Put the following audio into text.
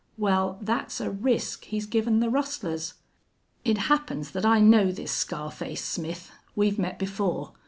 Well, that's a risk he's given the rustlers. It happens that I know this scar face Smith. We've met before.